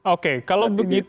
oke kalau begitu